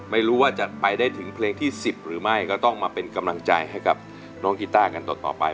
ไม่รู้ว่าจะไปได้ถึงเพลงที่๑๐หรือไม่ก็ต้องมาเป็นกำลังใจให้กับน้องกีต้ากันต่อไป